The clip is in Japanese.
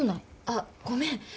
あっごめん。